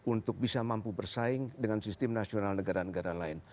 untuk bisa mampu bersaing dengan sistem nasional negara negara lain